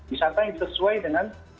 wisata yang sesuai dengan